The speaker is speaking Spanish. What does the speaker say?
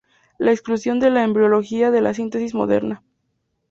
La exclusión de la embriología de la Síntesis moderna.